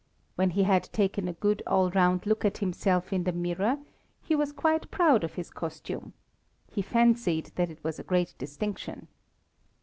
When he had taken a good all round look at himself in the mirror, he was quite proud of his costume. He fancied that it was a great distinction.